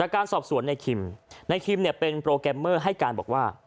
การสอบสวนในคิมในคิมเนี่ยเป็นโปรแกรมเมอร์ให้การบอกว่า